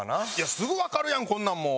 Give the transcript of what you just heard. すぐわかるやんこんなんもう。